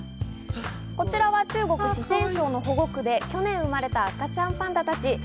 こちらは中国・四川省の保護区で去年生まれた赤ちゃんパンダたち。